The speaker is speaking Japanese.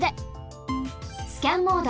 スキャンモード。